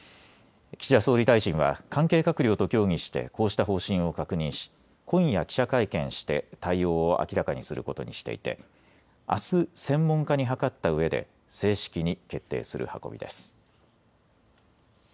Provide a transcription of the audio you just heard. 岸田総理大臣は関係閣僚と協議してこうした方針を確認し今夜、記者会見して対応を明らかにすることにしていてあす専門家に諮ったうえで正式に決定する運びです。